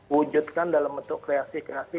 wujudkan dalam bentuk kreasi kreasi